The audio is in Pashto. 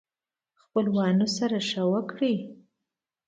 خپلوانو سره ښه وکړئ